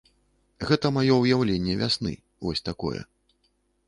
Гэта маё ўяўленне вясны, вось такое.